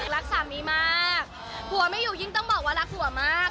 รักสามีมากผัวไม่อยู่ยิ่งต้องบอกว่ารักผัวมาก